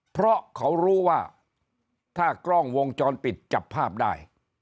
เพราะเขารู้ว่าถ้ากล้องวงจรปิดจับภาพได้